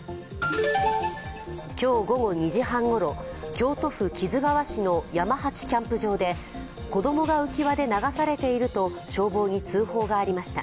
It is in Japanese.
今日午後２時半ごろ、京都府木津川市の山八キャンプ場で子供が浮き輪で流されていると消防に通報がありました。